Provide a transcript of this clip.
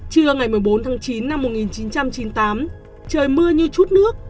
trưa ngày một mươi bốn tháng chín năm một nghìn chín trăm chín mươi tám trời mưa như chút nước